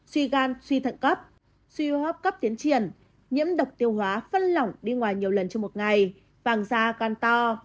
suy gan suy thận cấp suy hô hấp cấp tiến triển nhiễm độc tiêu hóa phân lỏng đi ngoài nhiều lần trong một ngày vàng da can to